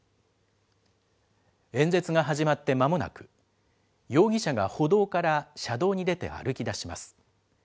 演説が始まってまもなく、容疑者が歩道から車道に出て歩きだします。